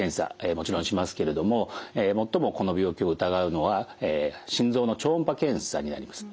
もちろんしますけれども最もこの病気を疑うのは心臓の超音波検査になります。